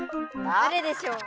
だれでしょう？